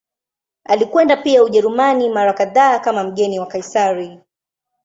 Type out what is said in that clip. Alikwenda pia Ujerumani mara kadhaa kama mgeni wa Kaisari.